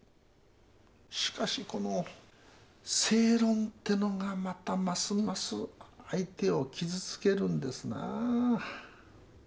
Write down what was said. しかしこの正論ってのがまたますます相手を傷つけるんですな。